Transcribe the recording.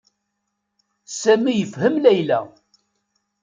Sami yefhem Layla.